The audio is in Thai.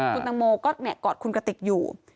คุณตังโมก็กอดคุณกติกอยู่